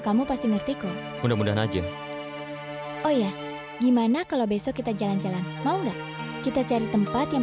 sampai jumpa di video selanjutnya